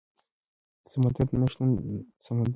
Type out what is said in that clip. سمندر نه شتون د افغانستان د اقلیمي نظام ښکارندوی ده.